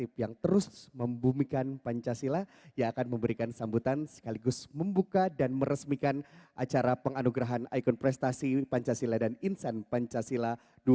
pembunyikan pancasila ia akan memberikan sambutan sekaligus membuka dan meresmikan acara penganugerahan ikon prestasi pancasila dan insan pancasila dua ribu dua puluh tiga